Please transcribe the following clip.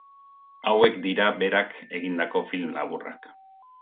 Hauek dira berak egindako film laburrak.